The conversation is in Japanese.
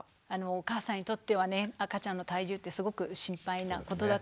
お母さんにとっては赤ちゃんの体重ってすごく心配なことだと思います。